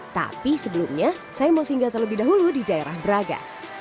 tapi sebelumnya saya mau singgah terlebih dahulu di daerah braga